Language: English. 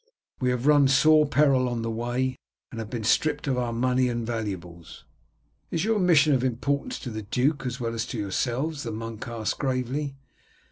We have run sore peril on the way, and have been stripped of our money and valuables." "Is your mission of importance to the duke as well as to yourselves?" the monk asked gravely.